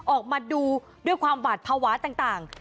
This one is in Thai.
ออกมาดูด้วยความหวาดภาวะต่าง